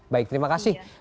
baik terima kasih